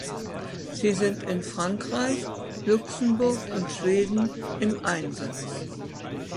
Sie sind in Frankreich, Luxemburg und Schweden im Einsatz.